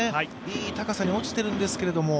いい高さに落ちてるんですけれども。